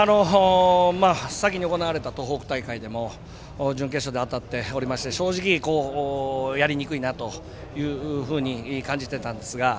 先に行われた東北大会でも準決勝で当たっておりまして正直、やりにくいなというふうに感じていたんですが